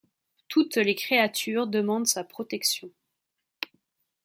Toutes les créatures demandent sa protection.